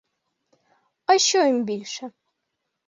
А що їм більше?